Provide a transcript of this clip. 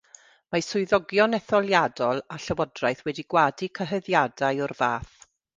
Mae swyddogion etholiadol a llywodraeth wedi gwadu cyhuddiadau o'r fath.